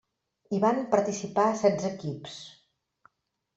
Hi van participar setze equips.